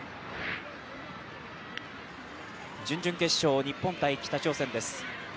準々決勝、日本×北朝鮮です。